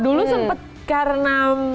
dulu sempet karena